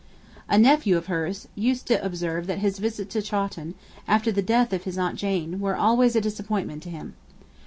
A nephew of hers used to observe that his visits to Chawton, after the death of his aunt Jane, were always a disappointment to him.